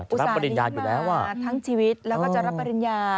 อุตส่าหริยาทั้งชีวิตแล้วก็จะรับปริญญา